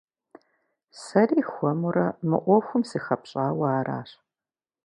Сэри хуэмурэ мы Ӏуэхум сыхэпщӀауэ аращ.